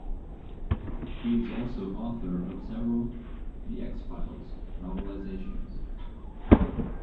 He is also author of several "The X-Files" novelizations.